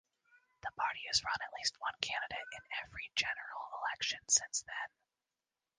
The party has run at least one candidate in every general election since then.